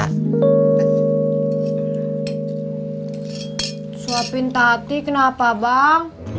suapin tati kenapa bang